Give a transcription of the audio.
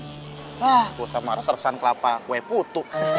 hah gue sama resan kelapa kue putu